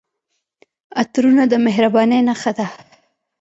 عطرونه د مهربانۍ نښه ده.